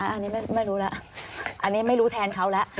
อันนี้ไม่รู้แล้วอันนี้ไม่รู้แทนเขาแล้ว